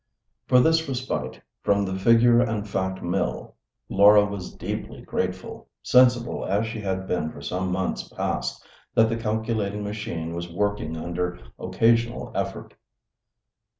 For this respite from the "figure and fact" mill, Laura was deeply grateful, sensible as she had been for some months past that the calculating machine was working under occasional effort.